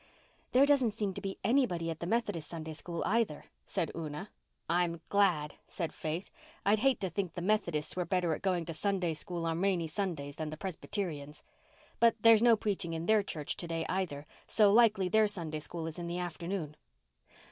"There doesn't seem to be anybody at the Methodist Sunday School either," said Una. "I'm glad," said Faith. "I'd hate to think the Methodists were better at going to Sunday School on rainy Sundays than the Presbyterians. But there's no preaching in their Church to day, either, so likely their Sunday School is in the afternoon."